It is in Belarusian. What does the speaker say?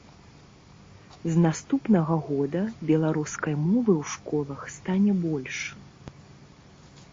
З наступнага года беларускай мовы ў школах стане больш.